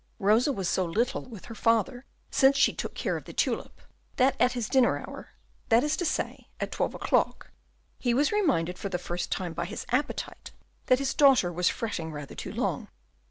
Rosa was so little with her father since she took care of the tulip, that at his dinner hour, that is to say, at twelve o'clock, he was reminded for the first time by his appetite that his daughter was fretting rather too long.